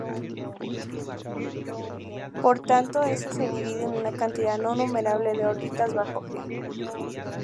Por tanto, "S" se divide en una cantidad no numerable de órbitas bajo "G".